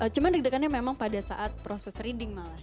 cuma deg degannya memang pada saat proses reading malah